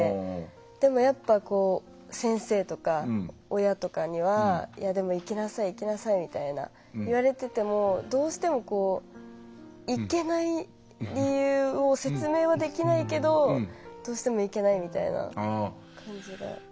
でも、先生とか親とかにはでも、行きなさい、行きなさいと言われてても、どうしても行けない理由を説明はできないけどどうしても行けないみたいな感じで。